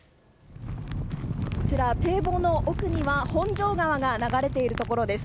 こちら、堤防の奥には本庄川が流れているところです。